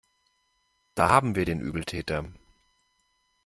Da haben wir den Übeltäter.